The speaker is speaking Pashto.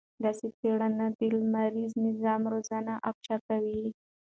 داسې څېړنې د لمریز نظام رازونه افشا کوي.